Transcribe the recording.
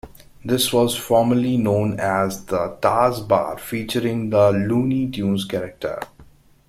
This was formerly known as the Taz bar, featuring the Looney Tunes character.